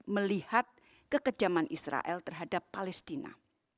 melihat kekejaman israel terhadap palestina